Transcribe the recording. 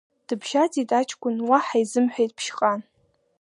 Дыбжьаӡит аҷкәын, уаҳа изымҳәеит Ԥшьҟан.